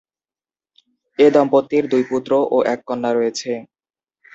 এ দম্পতির দুই পুত্র ও এক কন্যা রয়েছে।